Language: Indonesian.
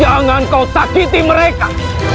jangan kau sakiti mereka